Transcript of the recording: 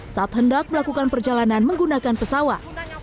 saat hendak melakukan perjalanan menggunakan pesawat